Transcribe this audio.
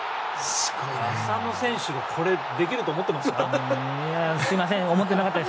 浅野選手がこれ、できると思ってました？